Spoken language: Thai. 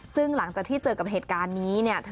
ซึ่งหลังจากที่เจอกับเหตุการณ์นี้เนี่ย